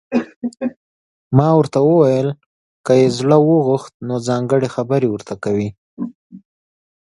ما ورته وویل: که یې زړه وغوښت، نو ځانګړي خبرې ورته کوي.